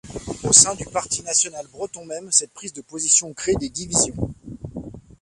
Au sein du parti national breton même, cette prise de position crée des divisions.